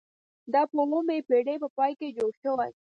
دا په اوومې پیړۍ په پای کې جوړ شوي.